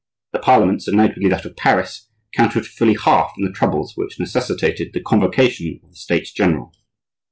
The parliaments, and notably that of Paris, counted for fully half in the troubles which necessitated the convocation of the States general.